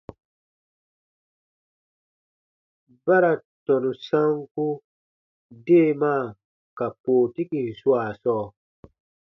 Ba ra tɔnu sanku deemaa ka pootikin swaa sɔɔ.